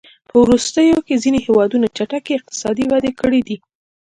په وروستیو کې ځینو هېوادونو چټکې اقتصادي وده کړې ده.